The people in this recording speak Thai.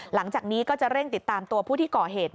หลังจากนี้ก็จะเร่งติดตามตัวผู้ที่ก่อเหตุ